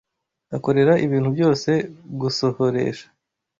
akorera ibintu byose gusohoresha